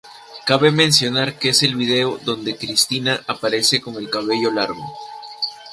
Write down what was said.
Cabe mencionar que es el vídeo donde Christina aparece con el cabello negro.